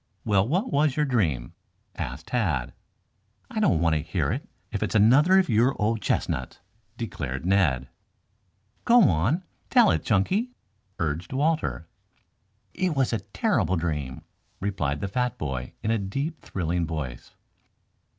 "Well, what was your dream?" asked Tad. "I don't want to hear it if it is another of your old chestnuts," declared Ned. "Go on, tell it, Chunky," urged Walter. "It was a terrible dream," replied the fat boy in a deep, thrilling voice.